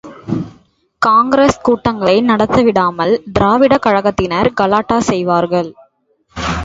காங்கிரஸ் கூட்டங்களை நடத்தவிடாமல் திராவிடக் கழகத்தினர் கலாட்டா செய்வார்கள்.